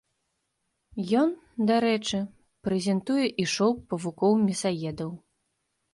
Ён, дарэчы, прэзентуе і шоу павукоў-мясаедаў.